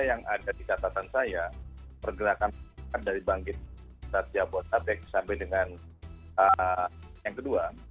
yang ada di catatan saya pergerakan dari bangkit satya botadek sampai dengan yang kedua